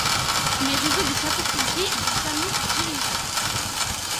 Les réseaux des sapeurs-pompiers et du Samu sont dirigés.